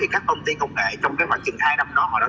các công ty công nghệ trong hai năm đó